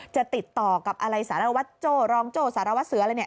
จะติดต่อกับอะไรสารวัตรโจ้รองโจ้สารวัสเสืออะไรเนี่ย